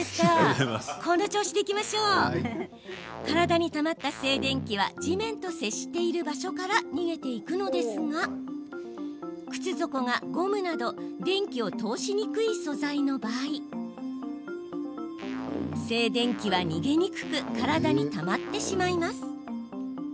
体にたまった静電気は地面と接している場所から逃げていくのですが靴底がゴムなど電気を通しにくい素材の場合静電気は逃げにくく体にたまってしまいます。